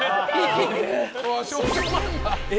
少女漫画。